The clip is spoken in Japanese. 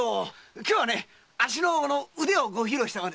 今日はあっしの腕をご披露したまでで。